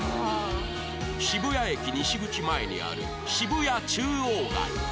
渋谷駅西口前にある渋谷中央街